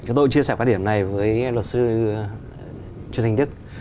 chúng tôi chia sẻ quan điểm này với luật sư trương thanh đức